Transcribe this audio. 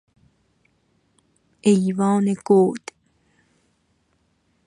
ایوان گود